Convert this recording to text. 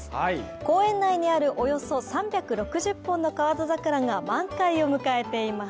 公園内にあるおよそ３６０本の河津桜が満開を迎えています。